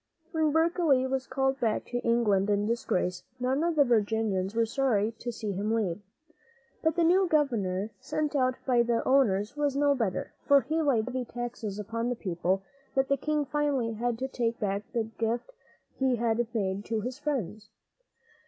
When Berkeley was called back to England in disgrace, none of the Virginians were sorry to see him leave. But the new governor sent out by the owners was no better, for he laid such heavy taxes upon the people that the king finally had to take back the gift he had made to his friends.